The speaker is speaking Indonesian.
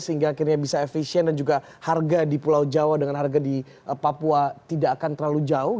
sehingga akhirnya bisa efisien dan juga harga di pulau jawa dengan harga di papua tidak akan terlalu jauh